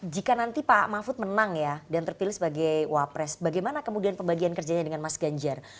jika nanti pak mahfud menang ya dan terpilih sebagai wapres bagaimana kemudian pembagian kerjanya dengan mas ganjar